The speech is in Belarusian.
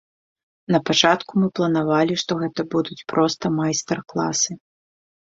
Напачатку мы планавалі, што гэта будуць проста майстар-класы.